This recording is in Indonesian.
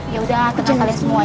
ya udah kenapa kalian semua ya